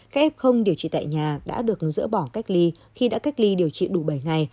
các f không điều trị tại nhà đã được dỡ bỏ cách ly khi đã cách ly điều trị đủ bảy ngày